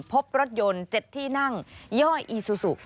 พบรถยนต์๗ที่นั่งย่ออีซูซู